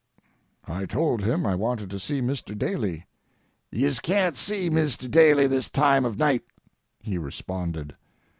I told him I wanted to see Mr. Daly. "Yez can't see Mr. Daly this time of night," he responded.